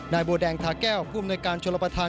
บัวแดงทาแก้วผู้อำนวยการชนรับประทาน